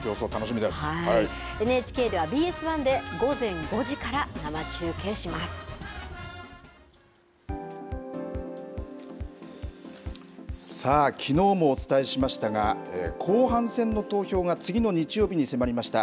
ＮＨＫではＢＳ１でさあきのうもお伝えしましたが後半戦の投票が次の日曜日に迫りました。